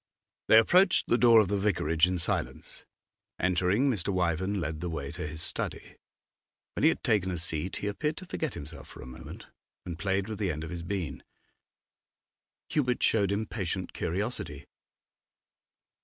They approached the door of the vicarage in silence. Entering Mr. Wyvern led the way to his study. When he had taken a seat, he appeared to forget himself for a moment, and played with the end of his bean. Hubert showed impatient curiosity.